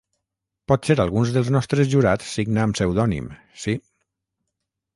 Potser algun dels nostres jurats signa amb pseudònim, sí.